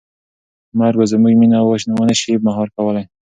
مرګ به زموږ مینه ونه شي مهار کولی.